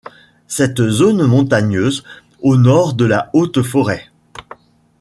C’est zone montagneuse au nord de la Haute-Forêt.